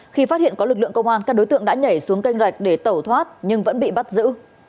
khi phát hiện có lực lượng công an các đối tượng đã nhảy xuống kênh rạch để tẩu thoát nhưng vẫn bị bắt giữ